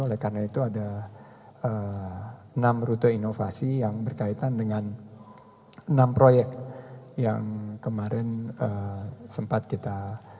oleh karena itu ada enam rute inovasi yang berkaitan dengan enam proyek yang kemarin sempat kita